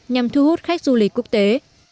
nhằm thu hút khách du lịch quốc tế